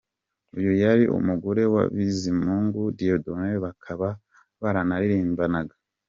Uyu yari umugore wa Bizimungu Dieudonne bakaba baranaririmbanaga.